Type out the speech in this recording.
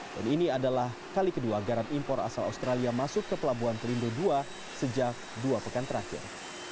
dan ini adalah kali kedua garam impor asal australia masuk ke pelabuhan pelindo dua sejak dua pekan terakhir